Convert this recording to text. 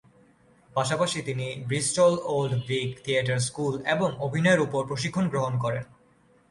পাশাপাশি তিনি Bristol Old Vic theatre school এ অভিনয়ের উপর প্রশিক্ষণ গ্রহণ করেন।